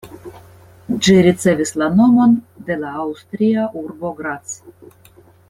Ĝi ricevis la nomon de la aŭstria urbo Graz.